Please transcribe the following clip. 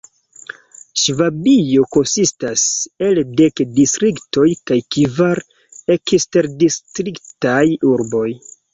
Ŝvabio konsistas el dek distriktoj kaj kvar eksterdistriktaj urboj.